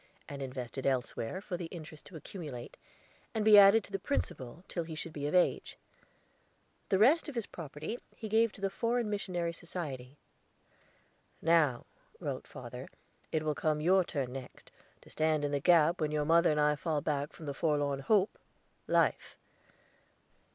and invested elsewhere, for the interest to accumulate, and be added to the principal, till he should be of age. The rest of his property he gave to the Foreign Missionary Society. "Now," wrote father, "it will come your turn next, to stand in the gap, when your mother and I fall back from the forlorn hope life."